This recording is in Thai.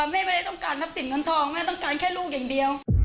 ไม่ได้ต้องการทรัพย์สินเงินทองแม่ต้องการแค่ลูกอย่างเดียว